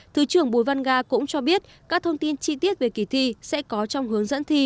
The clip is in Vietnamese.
thứ trưởng bùi văn ga cũng cho biết các thông tin chi tiết về kỳ thi sẽ có trong hướng dẫn thi